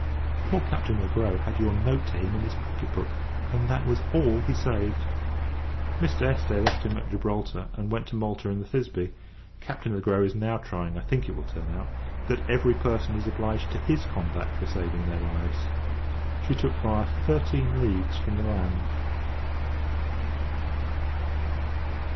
Poor Captain Le Gros had your note to him in his pocket book, and that was all he saved. Mr. Este left him at Gibraltar, and went to Malta in the Thisbe. Captain Le Gros is now trying. I think, it will turn out, that every person is obliged to his conduct for saving their lives. She took fire thirteen leagues from the land.